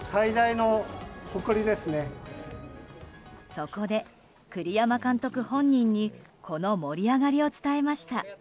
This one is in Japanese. そこで、栗山監督本人にこの盛り上がりを伝えました。